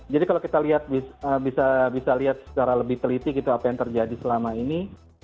jadi kalau kita bisa lihat secara lebih teliti apa yang terjadi selama ini